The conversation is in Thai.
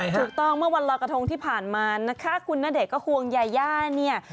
เอาล่ะค่ะถูกต้องว่าวันลอยกระทงที่ผ่านมานะคะคุณณเดชน์ก็ควงยาย่าเนี่ย